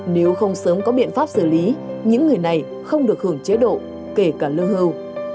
nếu không sớm có biện pháp xử lý những người này không được hưởng chế độ kể cả lương hưu